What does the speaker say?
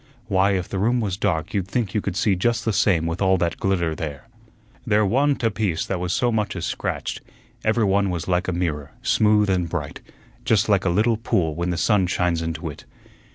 Why, if the room was dark you'd think you could see just the same with all that glitter there. There wa'n't a piece that was so much as scratched; every one was like a mirror, smooth and bright, just like a little pool when the sun shines into it.